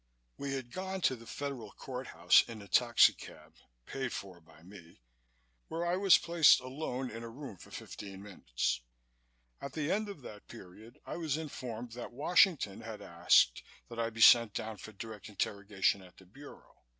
We had gone to the Federal Court House in a taxicab (paid for by me) where I was placed alone in a room for fifteen minutes. At the end of that period I was informed that Washington had asked that I be sent down for direct interrogation at the Bureau.